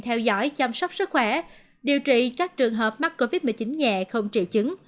theo dõi chăm sóc sức khỏe điều trị các trường hợp mắc covid một mươi chín nhẹ không triệu chứng